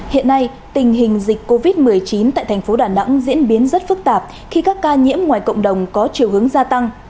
hiện nay tình hình dịch covid một mươi chín tại thành phố đà nẵng diễn biến rất phức tạp khi các ca nhiễm ngoài cộng đồng có chiều hướng gia tăng